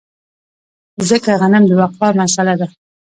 ځکه غنم د بقا مسئله ده.